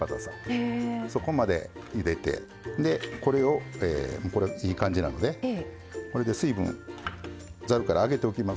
そこまでゆでてでこれをこれいい感じなのでこれで水分ざるから上げておきます。